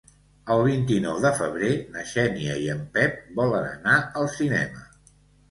El vint-i-nou de febrer na Xènia i en Pep volen anar al cinema.